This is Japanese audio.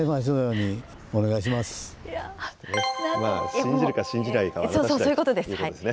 信じるか信じないかはあなたしだいということですね。